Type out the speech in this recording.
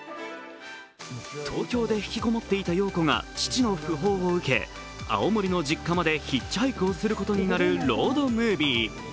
東京で引きこもっていた陽子が父の訃報を受け、青森の実家までヒッチハイクをすることになるロードムービー。